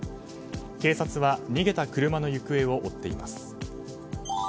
警察は逃げた車の行方を追っています。